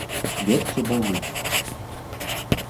Верьте Богу.